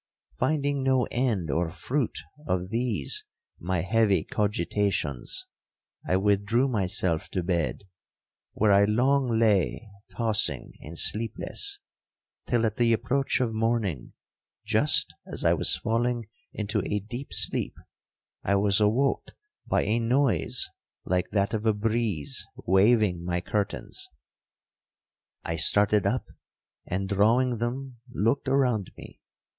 Finding no end or fruit of these my heavy cogitations, I withdrew myself to bed, where I long lay tossing and sleepless, till at the approach of morning, just as I was falling into a deep sleep, I was awoke by a noise like that of a breeze waving my curtains. I started up, and drawing them, looked around me.